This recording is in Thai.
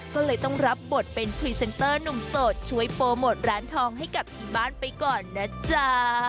ก็เลยต้องรับบทเป็นพรีเซนเตอร์หนุ่มโสดช่วยโปรโมทร้านทองให้กับที่บ้านไปก่อนนะจ๊ะ